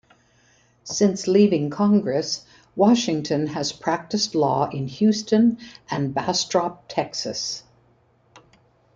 Since leaving Congress, Washington has practiced law in Houston and Bastrop, Texas.